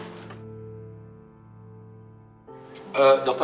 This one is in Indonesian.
masih ada waktu